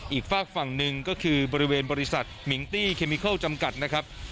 อีกฝากฝั่งหนึ่งก็คือบริเวณบริษัทมิงตี้เคมิเคิลจำกัดนะครับ